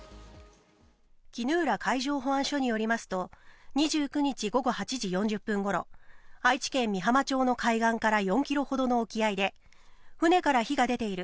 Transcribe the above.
衣浦海上保安署によりますと２９日午後８時４０分ごろ愛知県美浜町の海岸から４ｋｍほどの沖合で船から火が出ている。